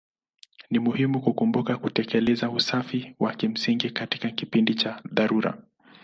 Ni muhimu kukumbuka kutekeleza usafi wa kimsingi katika kipindi cha dharura.